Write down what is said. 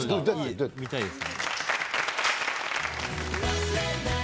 見たいです。